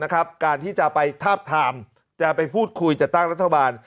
การที่จะไปทาบทามจะไปพูดคุยจัดตั้งรัฐบาล